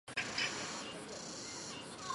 可是赫华勒没有把诅咒放在心上。